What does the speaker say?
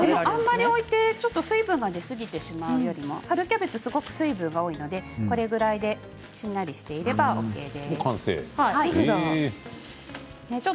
置いて水分が出すぎてしまうよりも春キャベツは水分が多いのでこれぐらいしんなりしていればこれで完成なんですね。